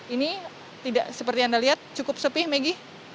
ini tidak seperti yang anda lihat cukup sepi maggie